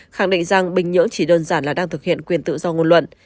khẳng định rằng bình nhưỡng chỉ đơn giản là đang thực hiện quyền tự do ngôn luận